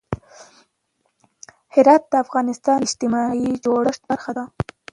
هرات د افغانستان د اجتماعي جوړښت برخه ده.